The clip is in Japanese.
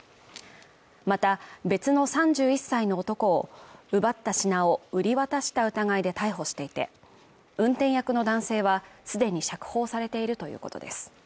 また別の３１歳の男を奪った品を売り渡した疑いで逮捕していて運転役の男性はすでに釈放されているということです